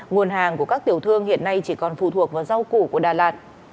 nguồn hàng của các tiểu thương hiện nay chỉ còn phụ thuộc vào rau củ của đà lạt